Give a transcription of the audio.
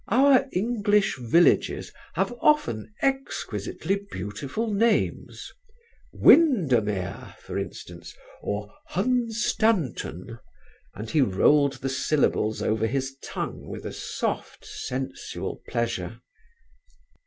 Our English villages have often exquisitely beautiful names. Windermere, for instance, or Hunstanton," and he rolled the syllables over his tongue with a soft sensual pleasure.